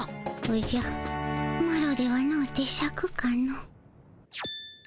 おじゃマロではのうてシャクかの。